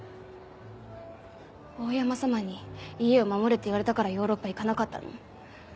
大山様に家を守れって言われたからヨーロッパ行かなかったの？